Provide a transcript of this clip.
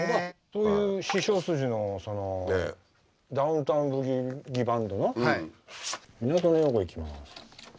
そういう師匠筋のダウン・タウン・ブギウギ・バンドの「港のヨーコ」いきます。